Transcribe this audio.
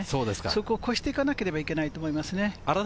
そこを越していかなければいけないと思います。